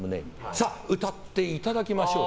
さあ、歌っていただきましょう。